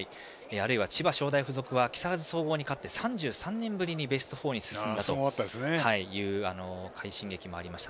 あるいは千葉商大付属は木更津総合に勝ってベスト４に進んだという快進撃もありました。